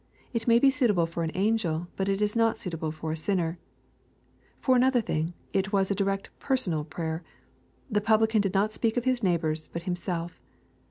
It may be suitable for an angel, but it is not suitable for a sinner. — For another thing, it was a direct ^ersowa?j)rayer. The Publican did not speak of his neighbors, but himself.